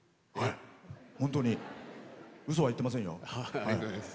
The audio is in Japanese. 本当に、うそは言ってませんよ。